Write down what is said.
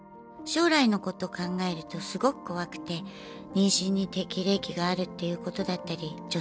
将来のことを考えるとすごく怖くて妊娠に適齢期があるっていうことだったり女性がキャリアアップしづらい。